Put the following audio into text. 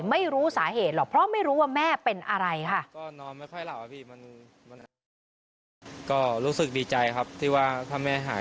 ไม่รู้สาเหตุหรอกเพราะไม่รู้ว่าแม่เป็นอะไรค่ะ